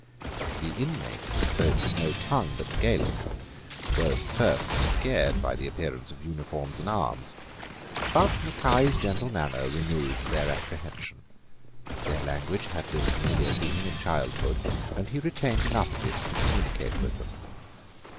The inmates spoke no tongue but the Gaelic, and were at first scared by the appearance of uniforms and arms. But Mackay's gentle manner removed their apprehension: their language had been familiar to him in childhood; and he retained enough of it to communicate with them.